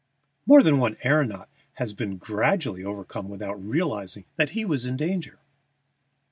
More than one aëronaut has been gradually overcome without realizing that he was in danger."